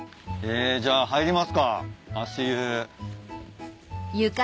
じゃあ入りますか足湯。